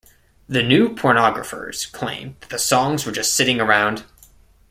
The New Pornographers claimed that the songs were just sitting around.